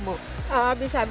untuk sisi keras gunung